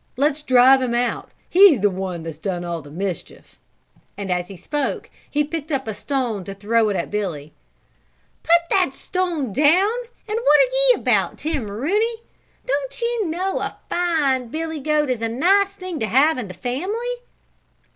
Let's drive him out; he is the one that has done all the mischief," and as he spoke he picked up a stone to throw at Billy. "Put down that stone and what are ye about, Tim Rooney? Don't ye know a fine Billy goat is a nice thing to have in the family?